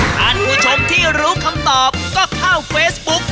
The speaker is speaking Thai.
ท่านผู้ชมที่รู้คำตอบก็เข้าเฟซบุ๊ก